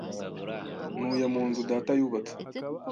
Ntuye mu nzu data yubatse.